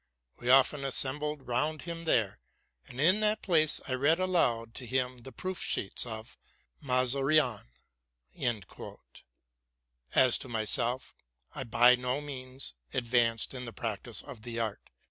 We often assembled round him there, and in that place I read aloud to him the proof sheets of '* Musarion."' As to myself, [ by no means advanced in the practice of the art.